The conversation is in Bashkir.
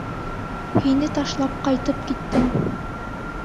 Һине ташлап ҡайтып киттем...